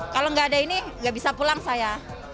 kalau enggak ada ini enggak bisa pulang saya